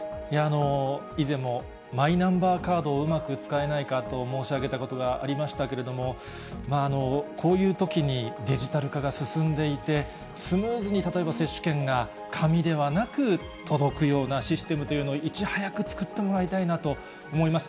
以前もマイナンバーカードをうまく使えないかと申し上げたことがありましたけれども、こういうときに、デジタル化が進んでいて、スムーズに例えば接種券が紙ではなく、届くようなシステムというのをいち早く作ってもらいたいなと思います。